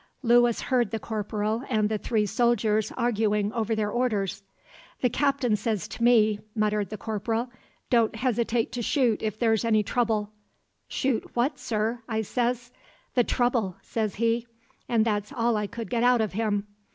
Lewis heard the corporal and the three soldiers arguing over their orders. "The Captain says to me," muttered the corporal, "'Don't hesitate to shoot if there's any trouble.' 'Shoot what, sir,' I says. 'The trouble,' says he, and that's all I could get out of him."